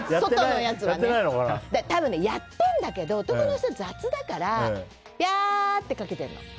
多分、やってるんだけど男の人は雑だからびゃーってかけてるの。